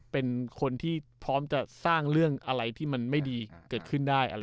เป็นคนที่พร้อมจะสร้างเรื่องอะไรที่มันไม่ดีเกิดขึ้นได้